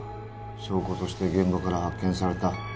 証拠として現場から発見された